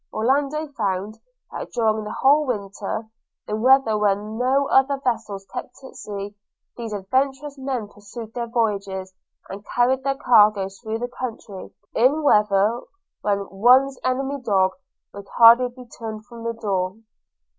Orlando found, that during the whole winter, in weather when no other vessels kept the sea, these adventurous men pursued their voyages, and carried their cargoes through the country, in weather when 'one's ememy's dog' would hardly be turned from the door.